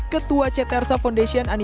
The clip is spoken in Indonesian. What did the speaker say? ketua ct arsa foundation delapan belas januari